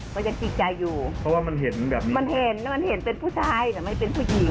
ก็ยังติดใจอยู่เพราะว่ามันเห็นแบบนี้มันเห็นแล้วมันเห็นเป็นผู้ชายแต่ไม่เป็นผู้หญิง